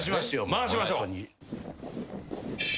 回しましょう！